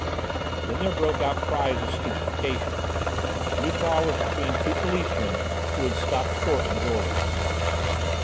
Then there broke out cries of stupefaction. Loupart was between two policemen, who had stopped short in the doorway.